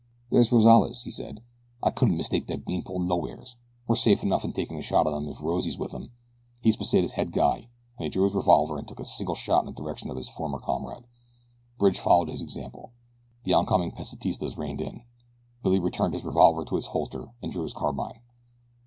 "There's Rozales," he said. "I couldn't mistake that beanpole nowheres. We're safe enough in takin' a shot at 'em if Rosie's with 'em. He's Pesita's head guy," and he drew his revolver and took a single shot in the direction of his former comrades. Bridge followed his example. The oncoming Pesitistas reined in. Billy returned his revolver to its holster and drew his carbine.